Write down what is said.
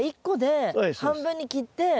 １個で半分に切って。